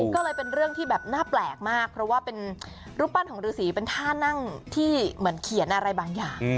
ก็เลยเป็นเรื่องที่แบบน่าแปลกมากเพราะว่าเป็นรูปปั้นของฤษีเป็นท่านั่งที่เหมือนเขียนอะไรบางอย่าง